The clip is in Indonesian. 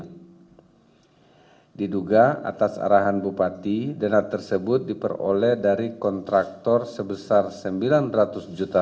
yang diduga atas arahan bupati dana tersebut diperoleh dari kontraktor sebesar rp sembilan ratus juta